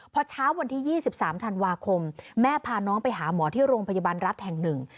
พอเช้าวันที่๒๓ธันวาคมแม่พาน้องไปหาหมอที่โรงพยาบาลรัฐแห่งหนึ่ง